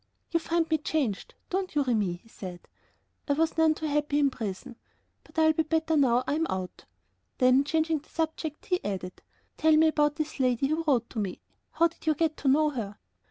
"You find me changed, don't you, Remi?" he said; "I was none too happy in prison, but I'll be better now I'm out." Then, changing the subject, he added: "Tell me about this lady who wrote to me; how did you get to know her?"